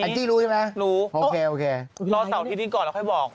ไอ้จี้รู้ใช่ไหมรู้โอเครอเสาร์วันอาทิตย์นี้ก่อนแล้วค่อยบอก